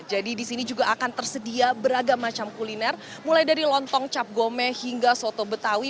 jadi disini juga akan tersedia beragam macam kuliner mulai dari lontong cap gome hingga soto betawi